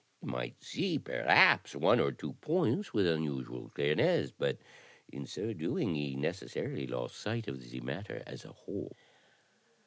He might see, perhaps, one or two points with unusual clearness, but in so doing he necessarily lost sight of the matter as a whole."